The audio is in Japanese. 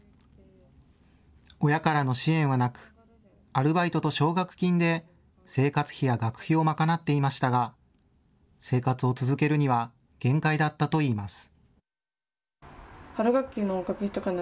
親からの支援はなくアルバイトと奨学金で生活費や学費を賄っていましたが生活を続けるには限界だったといいます。